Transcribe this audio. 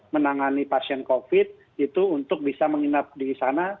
menangani pasien covid itu untuk bisa menginap di sana